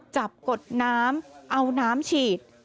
กดน้ำเอาน้ำฉีด